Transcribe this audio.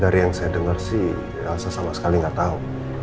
dari yang saya dengar sih rasa sama sekali nggak tahu